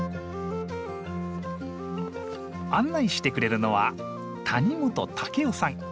案内してくれるのは谷本夫さん。